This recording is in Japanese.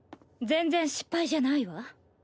全然失敗じゃないわ。